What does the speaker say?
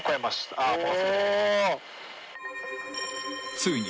［ついに］